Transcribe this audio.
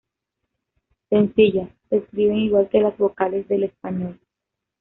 Sencillas: Se escriben igual que las vocales del español.